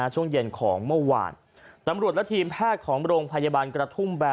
ช่วงเย็นของเมื่อวานตำรวจและทีมแพทย์ของโรงพยาบาลกระทุ่มแบร์